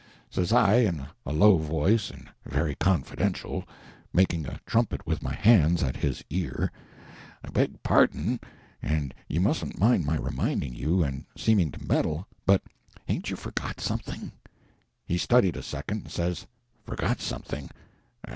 Says I, in a low voice and very confidential, making a trumpet with my hands at his ear— "I beg pardon, and you mustn't mind my reminding you, and seeming to meddle, but hain't you forgot something?" He studied a second, and says— "Forgot something?